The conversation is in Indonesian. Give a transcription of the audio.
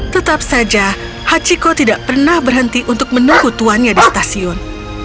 tetap saja hachiko tidak pernah berhenti untuk menunggu tuannya di stasiun